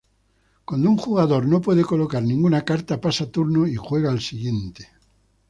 Cuando un jugador no puede colocar ninguna carta pasa turno y juega el siguiente.